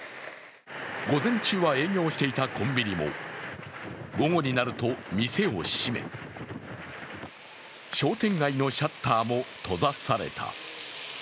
午前中は営業していたコンビニも、午後になると店を閉め、商店街のシャッターも閉ざされた。